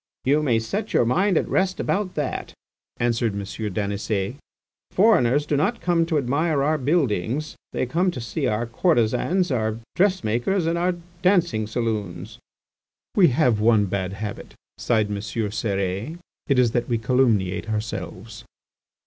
"You may set your mind at rest about that," answered M. Daniset. "Foreigners do not come to admire our buildings; they come to see our courtesans, our dressmakers, and our dancing saloons." "We have one bad habit," sighed M. Cérès, "it is that we calumniate ourselves."